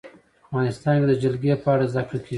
افغانستان کې د جلګه په اړه زده کړه کېږي.